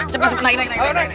cepat naik naik